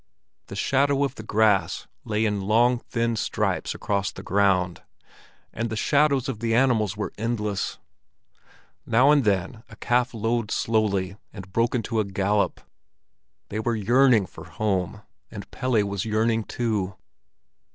The shadow of the grass lay in long thin stripes across the ground, and the shadows of the animals were endless. Now and then a calf lowed slowly and broke into a gallop. They were yearning for home, and Pelle was yearning too.